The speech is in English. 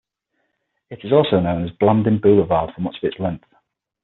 It is also known as Blanding Boulevard for much of its length.